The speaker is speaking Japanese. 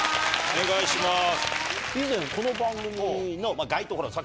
お願いします。